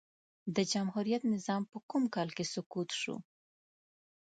د جمهوريت نظام په کوم کال کی سقوط سو؟